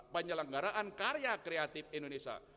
penyelenggaraan karya kreatif indonesia